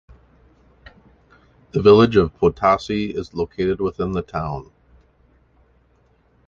The Village of Potosi is located within the town.